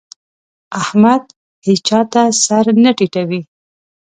احمد هيچا ته سر نه ټيټوي.